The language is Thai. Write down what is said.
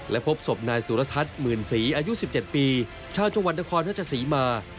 และพบศพนายสุรทัศน์หมื่นศรีอายุ๑๗ปีชาวจังหวัดนครราชศรีมา